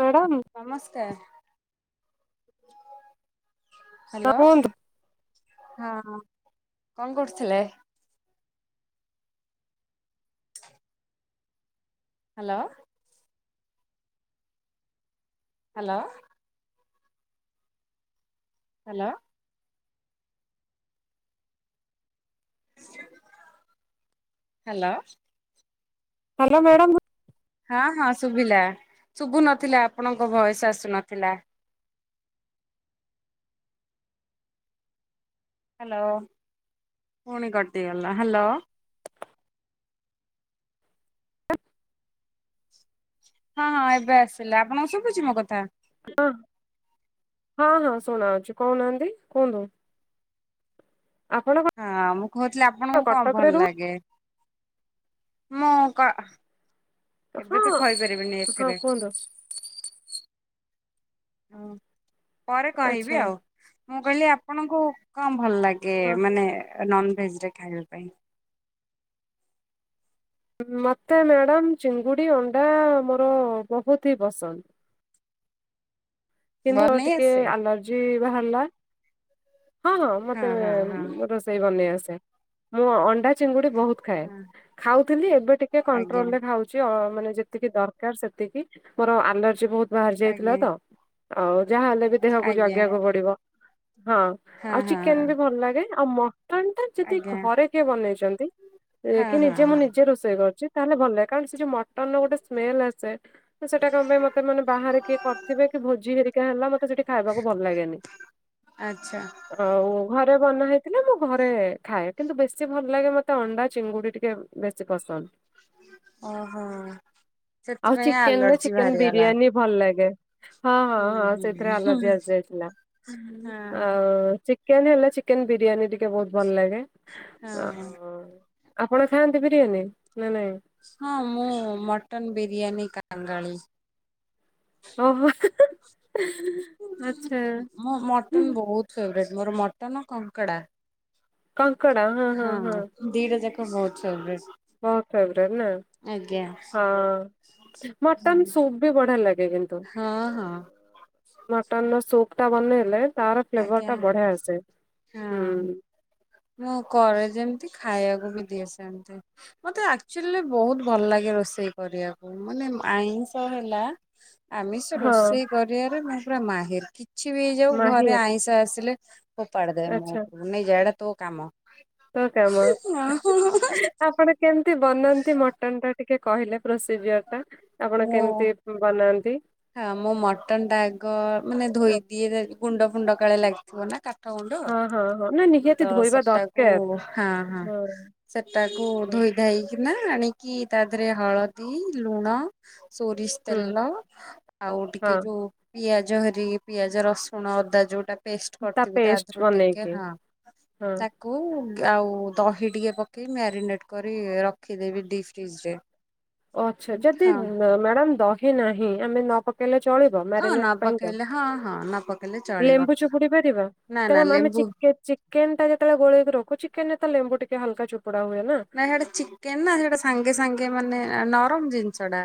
Madam ହଁ। Hello. କୁହନ୍ତୁ ହଁ କଣ କରୁଥିଲେ? Hello. Hello. Hello. Hello. Hello madam. ହଁ ହଁ ଶୁଭିଲା ଶୁଭୁ ନଥିଲା ଆପଣଙ୍କ ଭଏସ ଆସୁ ନଥିଲା। ହ୍ୟାଲୋ ପୁଣି କଟିଗଲା ହ୍ୟାଲୋ। ହଁ ହଁ ଏବେ ଆସିଲା ଆପଣଙ୍କ ଶୁଭୁଛି ମୋ କଥା। ହ ହଁ ହଁ ଶୁଣା ଯାଉଛି କହୁନାହାନ୍ତି କୁହନ୍ତୁ। ଆପଣ ହଁ ମୁଁ କହୁଥିଲି ଆପଣଙ୍କୁ କଣ କଟକରେ ଭଲ ରୁହ ଲାଗେ। ମକା। ହଁ ଏବେ ତ କହିପାରିବିନି ହଁ ଏଥିରେ। କୁହନ୍ତୁ ହଁ। ପରେ କହିବି ଆଚ୍ଛା ଆଉ। ମୁଁ କହିଲି ଆପଣଙ୍କୁ କଣ ଭଲ ଲାଗେ? କେ ହଁ ମାନେ। ନନ ଭେଜ ରେ ଖାଇବା ପାଇଁ। ମୋତେ ମ୍ୟାଡ଼ାମ ଚିଙ୍ଗୁଡ଼ି ଅଣ୍ଡା ମୋର ବହୁତି ହି ପସନ୍ଦ। କିନ୍ତୁ ବନେଇ ଟିକେ ଆସେ ଆଲର୍ଜି ବାହାରିଲା। ହଁ ହଁ ମତେ ହଁ ହଁ ରୋଷେଇ ବନେଇ ଆସେ ମୁଁ ଅଣ୍ଡା ଚିଙ୍ଗୁଡି ବହୁତ ଖାଏ ହଁ ଖାଉଥିଲି ଏବେ ଟିକେ ଆଜ୍ଞା କଣ୍ଟ୍ରୋଲ ରେ ଖାଉଛି। ମାନେ ଯେତିକି ଦରକାର ସେତିକି ମୋର ଆଲର୍ଜି ବହୁତ ବାହାରି ଯାଇଥିଲା ଆଜ୍ଞା ତ ଆଉ ଯାହାହଲେ ବି ଦେହକୁ ଆଜ୍ଞା ଜଗେଇିବାକୁ ପଡିବ। ହଁ ହଁ ଆଉ ହଁ ହଁ ଚିକେନ ବି ଭଲ ଲାଗେ ଆଉ। ଟା ମଟନ ଯଦି ଆଜ୍ଞା ଘରେ କିଏ ବନେଇଛନ୍ତି ହଁ କି ହଁ ନିଜେ ମୁଁ ହଁ ନିଜେ ରୋଷେଇ କରୁଛି। ତାହେଲେ ଭଲ କାରଣ ସେ ଯୋଉ ଗୋଟେ ସ୍ମେଲ ଆସେ ସେଟା କଣ ପାଇଁ ମତେ ମାନେ ବାହାରେ କିଏ କରିଥିବେ କି ିକ ହେଲା। ସେଠି ଖାଇବାକୁ ଭଲ ଲାଗେନି ଆଚ୍ଛା ଆଉ ଘରେ ବନା ହେଇଥିଲା ମୁଁ ଘରେ ଖାଏ କିନ୍ତୁ ବେଶୀ ଭଲ ଲାଗେ ମତେ ଅଣ୍ଡା ଚିଙ୍ଗୁଡି ଟିକେ ବେଶୀ ପସନ୍ଦ ଓହୋ। ଆଉ ସେଥିପାଇଁ ଚିକେନରେ ଆଲର୍ଜି ଚିକେନ ବାହାରିଗଲା ବିରିୟାନୀ ଭଲ ଲାଗେ। ହଁ ହଁ ହୁଁ ହଁ ହୁଁ ସେଥିରେ ହୁଁ ଆଲର୍ଜି ଆସି ଯାଇଥିଲା ହଁ। ଆଉ। ଚିକେନ୍ ହେଲା ଚିକେନ ବିରିୟାନୀ ଟିକେ ବହୁତ ଭଲ ଲାଗେ। ଅ ହଁ। ଆପଣ ଖାଆନ୍ତି ବିରିୟାନୀ ନାଇ ନାଇଁ ହଁ ମୁଁ ମଟନ ବିରିୟାନୀ କାଙ୍ଗାଳି ଓହୋ ଆଚ୍ଛା। ମୋ ମଟନ ବହୁତ ଫେବରେଟ ମୋର ମଟନ କଙ୍କଡ଼ା କଙ୍କଡ଼ା ହଁ ହଁ ହଁ। ଦିଟା ଯାକ ବହୁତ ଫବ୍ ହ ମଟ ସୁପ ବି ବଢ ଲାଗ ହଁ ହଁ। ମଟନ୍ ନ ସପ ାେ ଲେ ତାର ଫ୍ଲେଭର ଆଜ୍ଞା ଟା ବଢିଆ ଆସେ ହୁଁ। ହଁ। ମୁଁ କରେ ଯେମତି ଖାଇବାକୁ ବି ଦିଏ ସେନ୍ତି ମତେ ଆକଚୁଆଲି ବହୁତ ଭଲ ଲାଗେ ରୋଷେଇ କରିବାକୁ ମାନେ ଆଇଁଷ ହେଲା ଆମିଷ ହଁ ରୋଷେଇ କରିବାରେ ନାହିଁ। [unintelligible] କିଛି ବି ହେଇଯାଉ ଘରେ ମାହିର ଆଇଁଷ ଆସିଲେ ହ ପଡ଼ଦେ ମୁଁ ଜାଡ କାମ। ହଁ କାମ ଆପଣ କେମିତି ବନାନ୍ତି ମଟନ୍ ଟା ଟିକେ କ କିଏ କହିଲେ? ପ୍ରୋସିଯିଅର ଟା ଆପଣ ମୁଁ କେମିତି ବନାନ୍ତି? ହଁ ମୋ ମଟନ୍ ଟା ଆଗ ମାନେ ଧୋଇଦିଏ ଗୁଣ୍ଡ ଫୁଣ୍ଡ କାଳେ ଲାଗିଥିବ ନା କା କାଠ ଗୁଣ୍ଡ ହଁ ହଁ ହଁ ନା ନିହାତି ତ ଧୋଇବା ସେଟାକୁ ଦରକାର। ହଁ ହଁ ସେଟାକୁ ହଁ ଧୋଇ ଧାଇକି ନା ଆଣିକି ତା ଦେହରେ ହଳଦୀ, ଲୁଣ ସୋରିଷ ହୁଁ ତେଲ ଆଉ ହଁ ଟିକେ ଯୋଉ ପିଆଜ ହରି ପିଆଜ ରସୁଣ ଅଦା ଯୋଉଟା ପେଷ୍ଟ କରିଥିବି ତା ପେଷ୍ଟ ଦେହରୁ ଟିକେ ବନେଇକି ହଁ ହଁ ତାକୁ ଆଉ ଦହି ଟିକେ ପକେଇ ମ୍ୟାରିନେଟ କରି ରଖିଦେବି ଡିପ୍ ଫ୍ରିଜରେ। ଓ ଆଛା ଯଦି ମ୍ୟାଡ଼ାମ ଦହି ନାହିଁ ହଁ ଆମେ ନ ପା ନ ପକେଇଲେ ଚଳିବ ହଁ ନ ମ୍ୟାରିନେଟ ପାଇଁକା, ପକେଇଲେ ହଁ ହଁ ନ ପକେଇଲେ ଚଳିବ ଲେମ୍ବୁ ଚିପୁଡ଼ି ପାରିବା ନା ନା କାରଣ ଲେମ୍ବୁ ଚିକେନ ଚିକେନଟା ଯେତେ ବେଳେ ଗୋଲେଇକି ରଖୁଚି କେନେ ତ ଲେମ୍ବୁଟିକେ ହାଲକା ଚିପୁଡ଼ି ନା ସେଟା ଚିକେନ ନା ହେଟା ସାଙ୍ଗେ ସାଙ୍ଗେ ମାନେ ନ ନରମ ଜିନିଷ ଟା।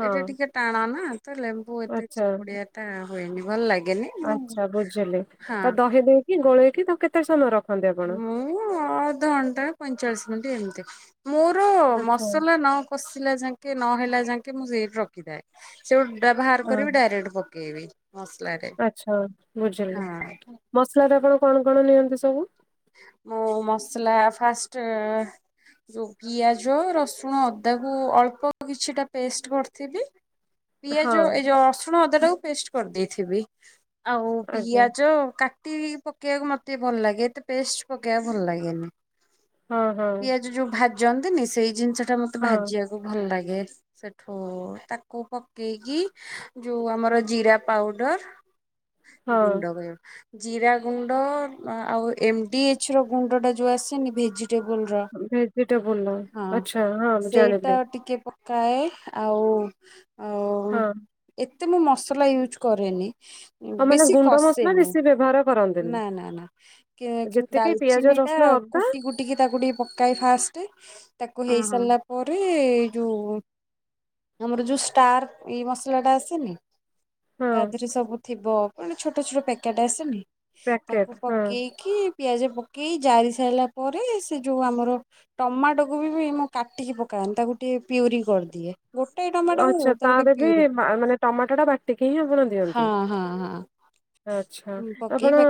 ହଁ ଏଇଟା ଟିକେ ଟାଣ ନା ତ ଲେମ୍ବୁ ଏତେ ଆଚ୍ଛା ଚିପୁଡିଆ ଟା ହୁଏନି ଭଲ ଲାଗେନି ମୁଁ ଆଚ୍ଛା ବୁଝିଲି ହଁ। ତ ଦହି ଦେଇକି ଗୋଳେଇକି ତାକୁ କେତେ ସମୟର ରଖୁ ମୁଁ ଅଧଘଣ୍ଟା ପଇଁଚାଳିଶ ମିନିଟ୍ ଏମିତି। ମୋର ଆଚ୍ଛା ମସଲା ନ କଷିଲା ଯାକେ ନହେଲା ଯା ଯାକେ ମୁଁ ସେଇଠି ରଖିଥାଏ ସେ ଗୋଟେ ବାହାର କରିବି ଡାଇରେକ୍ଟକୁ କିଏବେ। ଆଛା ବୁଝିଲି ହଁ। ମସଲାଟା କଣ କଣ ନିଅନ୍ତି ସବୁ? ମୁଁ ମସଲା ଫାଷ୍ଟ ପିଆଜ ରସୁଣ ଅଦାକୁ ଅଳ୍ପ କିଛିଟା ପେଷ୍ଟ କରିଥିବି। ହଁ ପିଆଜ ଏ ଯୋ ରସୁଣ ଅଦାଟାକୁ ପେଷ୍ଟ କରି ଦେଇଥିବି। ଆଉ ଆଜ୍ଞା ପିଆଜ କା ଟି ପକେଇବାକୁ ମତେ ଭଲ ଲାଗେ ତ ପେଷ୍ଟ ପକେଇବା ଭଲ ଲାଗେନି। ହଁ ହଁ ପିଆଜ ଯୋଉ ଭାଜି - ଯାଆନ୍ତି ନି ସେଇ ଜିନିଷ ମତେ ହଁ ଭାଜିବାକୁ ଭଲ ଲାଗେ। ସେଠୁ ତାକୁ ପକେଇକି ଯୋଉ ଆମର ଜିରା ପାଉଡର ହଁ ଗୁଣ୍ଡ କରେ ଜିରା ଗୁଣ୍ଡ ଆଉ ଏମଡି ଏଚ ର ଗୁଣ୍ଡଟା ଯଉ ଆସେନି ଭେଜ୍ ଭେଜିିଟେବଲ ଆଚ୍ଛା ହଁ ମୁଁ ଜାଣିିଲି। କାଏ ଆଉ ଆଉ ହଁ। ଏତେ ମୁଁ ମସଲା ୟୁଜ୍ କରେନି। ଆଉ ମାନେ ବେଶି ଗୁଣ୍ଡ କଶେ ମସଲା ମୁଁ ବେଶୀ ବ୍ୟବହାର କରନ୍ତିନି। ନା ନା। କିନ୍ତୁ ଯେତିକି ପିଆଜ ଡାଲଚିନିଟା ରସୁଣ ଅଦା କୁଟି କୁଟିକି ତାକୁ ଟିକେ ପକାଏ ଫାଷ୍ଟ ତାକୁ ହଁ ହଁ ହେଇସାରିଲା ପରେ ଇ ଯୋଉ ଆମର ଯୋଉ ଷ୍ଟାର ଏଇ ମସଲା ଟା ଆସେନି। ହଁ ତା ଦେହରେ ସବୁ ଥିବ ପୁଣି ଛୋଟ ଛୋଟ ପ୍ୟାକେଟ୍ ଆସେନି? ତାକୁ ପ୍ୟାକେଟ ହଁ। ପକେଇକି ପିଆଜ ପକାଇ ଜାରି ସାରିଲା ପରେ ସେ ଯୋଉଁ ଆମର ଟମାଟୋକୁ ବି ମୁଁ କାଟିକି ପକାଏନି ତାକୁ ଟିକଏ ପିଉରି କରିଦିଏ। ଗୋଟାଏ ଟମାଟୋକୁ ଆଚ୍ଛା ତାକୁ ଟିକେ ତାର ବି ପିଉରି ମାନେ ଟମାଟୋ ଟା ବାଟିକି ହିଁ ଆପଣ ଦିଅନ୍ତି ହଁ ହଁ ହଁ ଆଛା ଆପଣ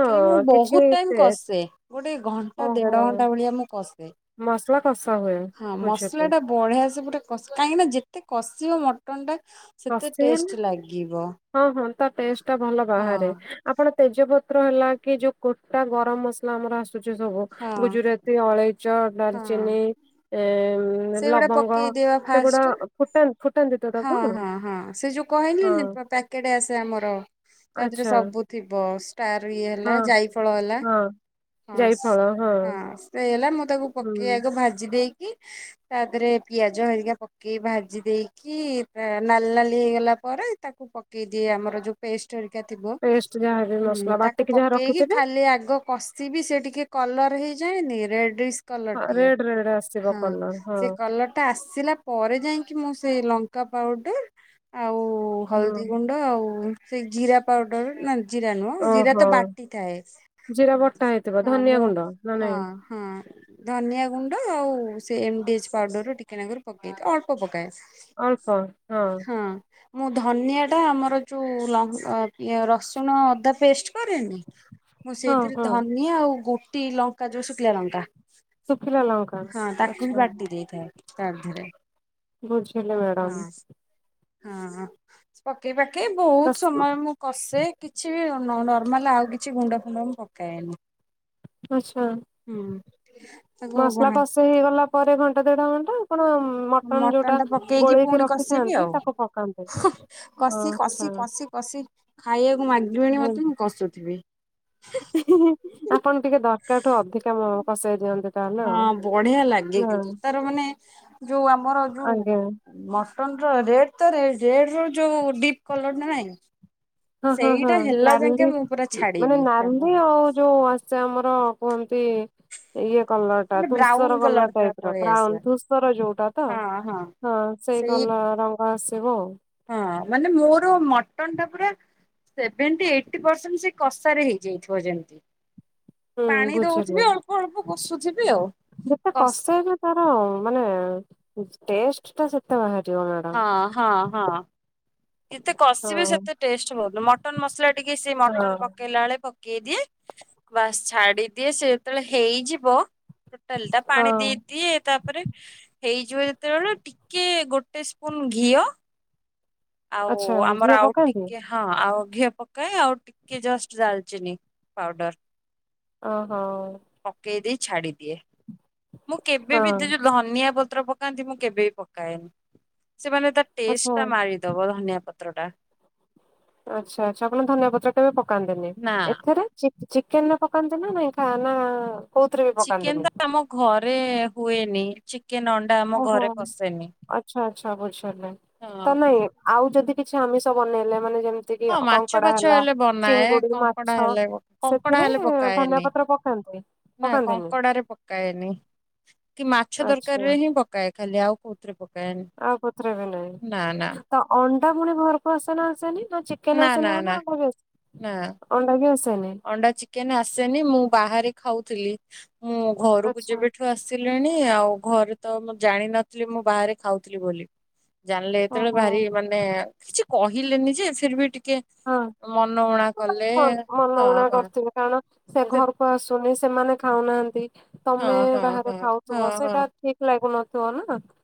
କିଛି? ତେ- କସେ ଗୋଟେ ଘଣ୍ଟା ଓହୋ ଦେଢ ଘଣ୍ଟା ଭଳିଆ ମୁଁ କସେ ମସଲା କଷା ହୁଏ ହଁ ବୁଝିଲି ମସଲା ଟା ବଢିଆ ସେ କଷେ କାହିଁକି ନା ଯେତେ କଷିବ ମଟନ୍ ଟା ସେତେ କଷି ହେଲେ ଟେଷ୍ଟ ଲାଗିବ। ହଁ ହଁ ତା ଟେଷ୍ଟ ଟା ଭଲ ହଁ ବାହାରେ ଆପଣ ତେଜପତ ହେଲା କି ଯୋଉ ଗୋଟା ଗରମ ମସଲା ଆମର ଆସୁ ଆସୁଚି ସବୁ ହଁ ଗୁଜୁରାତି ଅଳେଇଚ ହଁ ଡାଲଚିନି ଏ ସେଗୁଡା ଲବଙ୍ଗ ପକେଇଦବା ସେଗୁଡା ଫାଷ୍ଟ ଫୁଟା ଫୁଟାନ୍ତି ତ ହଁ ତାକୁ ହଁ ହଁ ସେ ଯୋଉ କହିଲି। କେଡେ ଆସେ ଆମର ତା ଦେହରେ ଆଚ୍ଛା। ସବୁ ଥିବ। ତାର ଇଏ ହେଲା ହଁ ଯାଇ ଫଳ ହେଲା ହଁ [inaudible] ହଁ ହଁ ସେ ହେଲା ମତେ ତାକୁ ହୁଁ। ପକେଇ ଆଗ ଭାଜି ଦେଇେଇକି କି ତା ଦେହରେ ପିଆଜ ହେରିକା ପକେଇ ଭାଜି ଦେଇକି ନାଲି ନାଲି ହେଇଗଲା ପରେ ତାକୁ ପକେଇ ଦିଏ ଆମର ଯୋଉ ପେଷ୍ଟ ଥିବ ପେଷ୍ଟ ଯାହାବି ହୁଁ ମସଲା ତାକୁ ବାଟିକି ଯାହା ପକେଇକି ରଖିଥିବେ ଖାଲି ଆଗ କ ବି ସେ ଟିକେ କଲର୍ ହେଇଯାଏନି ରେଡ ହଁ ରରେଡ ରରେଡ ଆସିବ କଲର ହଁ। ସେ କଲର ଟା ଆସିଲା ପରେ ଯାଇକି ମୁଁ ସେଇ ଲଙ୍କା ପାଉଡର ଆଉ ହୁଁ ହଳଦୀ ଗୁଣ୍ଡ ଆଉ ସେ ଜିରା ପାଉଡର ନା ଜିରା ନୁହଁ ଜିରା ଓହୋ ତ ବାଟିଥାଏ ଜିରା ବଟା ହେଇଥିବ [inaudible] ହଁ ଧନିଆ ମୁଁ ଗୁଣ୍ଡ ନା ହଁ ନାଇଁ ହଁ ଧନିଆ ଗୁଣ୍ଡ ଆଉ ସେ ଏମ ଡି ଏଚ୍ ପାଉଡ଼ରରୁ ଟିକେନାଗର ପକେଇଥା ଅଳ୍ ପକାଏ। ଅଳ୍ପ ହଁ। ମୁଁ ଧନିଆଟା ଆମର ଯେଉଁ ଲ ରସୁଣ ଅଦା ପେଷ୍ଟ କରେନି ମୁଁ ହଁ ସେଇଥିରେ ହଁ। ଧନିଆ ଆଉ ଗୋ ଟି ଲଙ୍କା ଯୋଉ ସୁକିଲ ଲଙ୍କା। ସୁୁଖିଲା ଲଙ୍କା ର ଆଚ୍ଛା। ତାର ଦେରେ ବୁଝ ହେଲା ମ୍ୟାଡ଼ାମ ହଁ ପକେଇ ପାରିବ ଆ ବହୁତ କସ ସମୟ ମୁଁ କସେ କିଛି ବି ନର୍ମାଲ ଆଉ କିଛି ଗୁଣ୍ଡ ଫୁଣ୍ଡ ମୁଁ ପକାଏନି। ଆଚ୍ଛା। ହୁଁ ତାକୁ ମସଲା କଷେଇ ହେଇଗଲା ପରେ ଘଣ୍ଟ [unintelligible] ମଟନ ଟା ପକେଇକି ଗୋଳେଇକି ପୁଣି କଷିବି ରଖିଥାନ୍ତି ଆଉ ତାକୁ ପକାନ୍ତେ କଷି ଆଚ୍ଛା କଷି କଷି କଷି ଖାଇବାକୁ ମାଗିବିଣି ମତେ ମୁଁ କଷୁଥିବି। ଆପଣ ଟିକେ ଦରକାରଠୁ ଅଧିକା କଷେଇ ଦିଅନ୍ତୁ। ହଁ ବଢିଆ ଲାଗେ କିନ୍ତୁ ତାର ମାନେ ଯୋଉ ଆମର ଯୋଉ ଆଜ୍ଞା ମଟ ରେଡ ତ ରେଡ ର ଯୋଉ ଡିପ୍ କଲର ନାଇଁ। ହଁ ହଁ ହଁ ସେଇଟା ହେଲା ଯାଙ୍କେ ନାଲି ମୁଁ ପୁରା ମାନେ ଛାଡିବି ତାକୁ ନାଲି ଆଉ ଯୋଉ ଆସେ ଆମର କୁହନ୍ତି ଇଏ କଲର ଟା ମାନେ ଧୂସର ବ୍ରାଉନ କଲର ପୁରା ଟାଇପ ର ପଳେଇ ଆସିଲା ବ୍ରାଉନ ଧୂସର ଯୋଉଟା ତ ହଁ ସେଇ କଲର ରଙ୍ଗ ସେବ ହଁ ମାନେ ମୋର ମଟନ୍ ଟା ପୁରା ସେଭେଟି ଏଇଟି ପରସେଣ୍ଟ ସେ କଷାରେ ହେଇଯାଇଥିବ ଯେମତି। ହୁଁ ପାଣି ବୁଝିଲି ଦଉଥିବେ ଅଳ୍ପ ଅଳ୍ପ [unintelligible] ଯେତେ କଷ କଷ୍ଟ ହେଇଥିଲେ ତାର ମାନେ ଟେଷ୍ଟ ଟା ସେତେ ବା ହଁ ହଁ ହଁ। ଯେତେ କସିବେ ହଁ ସେତେ ଟେଷ୍ଟ ଭଲ ମଟନ୍ ମସଲା ଟିକେ ସେ ହଁ ମଟନ ପକେଇଲା ବେଳେ ପ ପକେଇ ଦିଏ ବାସ୍ ଛାଡିଦିଏ ସେ ଯେତେବେଳେ ହେଇଯିବ। ଟୋଟାଲ ଟା ପାଣି ହଁ। ଦେଇଦିଏ ତାପରେ ହେଇଯିବ ଯେତେବେଳେ ଟିକେ ଗୋଟେ ସ୍ପୁନ ଘିଅ। ଆଉ ଆଚ୍ଛା ଘିଅ ଆମର ଆଉ ପକାନ୍ତି ଟିକେ ହଁ ଆଉ ଘିଅ ପକାଏ ଆଉ ଟିକେ ଜଷ୍ଟ ଡାଲଚିନି ପାଉଡର। ଅ ହଁ। ଛାଡ଼ି ଦିଏ। ମୁଁ କେବେ ବି ଧନିଆ ପତ୍ର ପ ପକାନ୍ତି ମୁଁ କେବେ ବି ପକାଏନି। ସେମାନେ ତା ଆଚ୍ଛା। ଟେଷ୍ଟ ଟା ମାରିଦବ ଧନିଆ ପତ୍ ପତ୍ରଟା ଆଛା ଆଚ୍ଛା ଆପଣ ଧନିଆ ପତ୍ର ଟା ବି ପକାନ୍ତିନି। ନା ଏଥିରେ ଚି ଚିକେନରେ ପକାନ୍ତି ନା ନାଇଁ ଖା ନା। କୋଉଥିରେ ବି ଚିକେନ ପକାନ୍ତିନି? ତ ଆମ ଘରେ ହୁଏ। ନି ଚି ଚିକେନ ଅଣ୍ଡା ଆମ ଘରେ ପଶେନି। ସୁବୁଛି। ହଁ ତ ନାଇଁ ଆଉ ଯଦି କିଛି ଆମିଷ ବନେଇଲେ ମାନେ ଯେ ହଁ ମାଛ ଫାଛ ହେଲେ ବନାଏ ମାଛ କଙ୍କଡା ହେଲେ କଙ୍କଡା ସେଥିରେ ହେଲେ ଧନିଆ ପକାଏନି ପତ୍ର ପକାନ୍ତି ନା ପକାନ୍ତିନି? କଙ୍କଡରେ ପକାଏନି କି ମାଛ ଆଚ୍ଛା ଦରକାର ରେ ହିଁ ପକାଏ ଖାଲି ଆଉ କଉତରେ। [unintelligible] ଆଉ କଥା ରେ ବି ନାହିଁ ତ ଅ ପୁଣି ଘରକୁ ଆସନା ଆସେନି । ନା ଚିକେନ ନା ଆସୁନି ନା ବୋଲି ନା ଅଣ୍ଡା ବି ଆସ ଅଣ୍ଡା ଚି ଚିକେନ୍ ଆସେନି ମୁଁ ବାହାରେ ଖାଉଥିଲି। ମୁଁ ଘରକୁ ଆଚ୍ଛା ଯେବେଠୁ ଆସିଲିଣି ଆଉ ଘରେ ତ ମୁଁ ଜାଣିନଥିଲି ମୁଁ ବାହାରେ ଖାଉଥିଲି ବୋଲି। ଜାଣିଲେ ଏତେବେଳେ ଓହୋ ଭାରି ମାନେ କିଛି କହିଲେନି ଯେ ଫିର ବି ଟି ଟିକେ ହଁ ମନମୁଣା କଲେ। ହଁ ହଁ [unintelligible] କରିଥିବ। [unintelligible] ସେ ଘରକୁ ଆସୁନି ସେମାନେ ଖାଉନାହାନ୍ତି । ହଁ ତମେ ହଁ ବାହାରେ ହଁ ହଁ ଖାଉଥିବ ହଁ। ସେଇଟା ଠିକ ଲାଗୁନ। [unintelligible]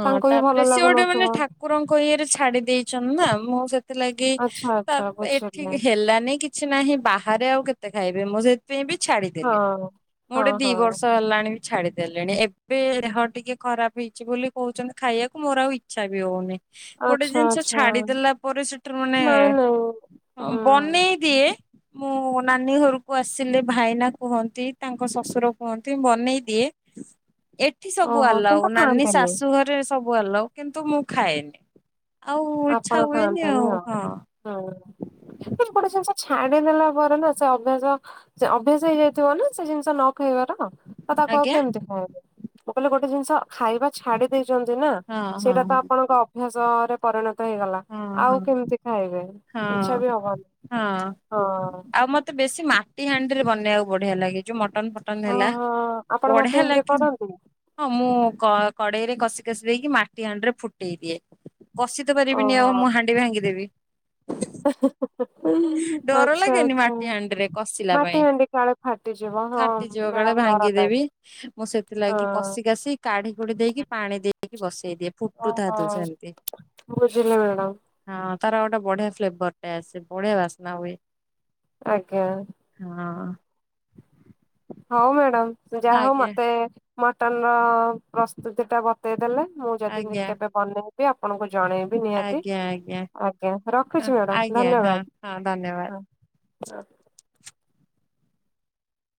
ହଁ ତାପରେ ସିଏ ଗୋଟେ ମାନେ ଠାକୁରଙ୍କ ଇଏରେ ଛାଡି ଦେଇ ଛନ୍ତି ନା ମୁଁ ସେ ଥି ଲାଗି ଆଚ୍ଛା ତ ଆଚ୍ଛା ଏଠି ବୁଝିଲି ହେଲାନି କି କିଛି ନାହିଁ ବାହାରେ ଆଉ କେତେ ଖାଇବେ ମୁଁ ସେଥିପାଇଁ ବି ହଁ ଛାଡିଦେଲି ମୁଁ ହଁ ଗୋଟେ ଦି ହଁ ବର୍ଷ ହେଲାଣି ଛାଡିଦେଲିଣି ଏବେ ଦେହ ଟିକେ ଖରାପ ହେଇଛି ବୋଲି କଉଛନ୍ତି ଖାଇବାକୁ ମୋର ଆଉ ଇଚ୍ଛା ବି ହଉନି। ଗୋଟେ ଆଚ୍ଛା ଜିନିଷ ଆଚ୍ଛା ଛାଡିଦେଲା ପରେ ସେଟାରୁ ମାନେ ନାଇଁ ନାଇଁ ହୁଁ ବନେଇ ଦିଏ। ମୁଁ ନାନୀ ଘରକୁ ଆସିଲେ ଭାଇନା କୁହନ୍ତି ତାଙ୍କ ଶ୍ୱଶୁର କୁହନ୍ତି ମୁଁ ବନେଇ ଦିଏ। ଏଠି ସବୁ ଓହୋ ଆଲାଉ କିନ୍ତୁ ନାନୀ ସା ଖାଆନ୍ତିନି ଘରେ ସବୁ ଆଲାଉ କିନ୍ତୁ ମୁଁ ଖାଏନି। ଆଉ ଇଚ୍ଛା ଆପଣ ହୁଏନି ଖାଆନ୍ତିନି ଆଉ ହଁ। ହୁଁ ଗୋଟେ ଜିନିଷ ଛାଡିଦେଲା ପରେ ନା ସେ ଅଭ୍ୟାସ ସେ ଅଭ୍ୟାସ ହେଇଯାଇଥିବ ନା ସେ ଜିନିଷ ନ ଖାଇବାର ତ ତାକୁ ଆଉ ଆଜ୍ଞା କେମିତି ଖାଇବୁ ମୁଁ କହିଲି ଗୋ ଜିନିଷ ଖାଇବା ଛାଡି ଦେଇଛନ୍ତି ନା ହଁ ହଁ ସେଇଟା ତ ହଁ। ଆପଣଙ୍କ ଅଭ୍ୟାସରେ [unintelligible] ହେଇଗଲା ହଁ ଆଉ ହଁ କେମିତି ଖାଇବେ ହଁ ଇଛା ବି ହବନି ହଁ। ଏଇ ହାଣ୍ଡିରେ ବନେଇବାକୁ ବଢିଆ ଲାଗେ ଯଉ ମ ମଟନ ଫଟନ ହେଲା ଓହୋ ଆପଣ ମାଟି ବଢିଆ ହାଣ୍ଡିରେ ଲାଗେନି କରନ୍ତି ହଁ ମୁଁ କଡ଼େଇରେ କଷି କାଷି ଦେଇକି ମାଟି ହାଣ୍ଡି ରେ ଫୁଟେଇ ଦିଏ କଷି ଦେବିନି ଆଉ ଓହୋ। ମୁଁ ହାଣ୍ଡି ଭାଙ୍ଗିଦେବି ଡର ଆଚ୍ଛା ଲାଗେନି ଆଚ୍ଛା। ମାଟି ହାଣ୍ଡିରେ କଷିଲା ମାଟି ପାଇଁ ହାଣ୍ଡି କାଳେ ଫାଟିଯିବ ହଁ ଫାଟିଯିବ କାଳେ ମ୍ୟାଡାମ ଡର ଭାଙ୍ଗିଦେବି ଲାଗେ ମୁଁ ସେଥିଲାଗି ହଁ। କଷି କାସି କାଢି କୁଢ଼ି ଦେଇ କି ପାଣି ଦେଇ ବସେଇ ଦିଏ ଓହୋ ଫୁଟୁଥାତୁ ସେମିତି। ବୁଝିଲି ମ୍ୟାଡ଼ାମ। ହଁ ତାର ଗୋଟେ ବଢିଆ ଫ୍ଲେବର ଟେ ଆସେ ବଢିଆ ବାସ୍ନା ହୁଏ। ଆଜ୍ଞା। ହଁ। ହଉ ମ୍ୟାଡ଼ାମ୍। ଯା ହଉ ଆଜ୍ଞା ମତେ ମଟନ ର ପ୍ରସ୍ତୁତି ଟା ବତେଇଦେଲେ। ମୁଁ ଯଦି ଆଜ୍ଞା କେବେ ବନେଇ। ବି ଆପଣଙ୍କ ଜଣେଇବି ନିହାତି ଆଜ୍ଞା ଆଜ୍ଞା ଆଜ୍ଞା ହଁ ରଖୁଛି ମ୍ୟାଡ଼ାମ ଆଜ୍ଞା ହଁ ଧନ୍ୟବାଦ ଧନ୍ୟବାଦ। ହଁ। ହଁ।